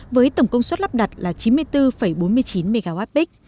với tổng công suất lắp đặt là chín mươi bốn bốn mươi chín mwp